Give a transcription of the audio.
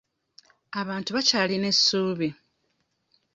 Abantu bakyalina essuubi.